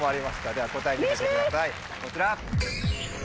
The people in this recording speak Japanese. では答え見せてくださいこちら。